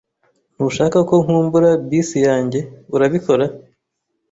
Ntushaka ko nkumbura bisi yanjye, urabikora?